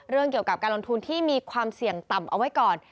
เกี่ยวกับการลงทุนที่มีความเสี่ยงต่ำเอาไว้ก่อน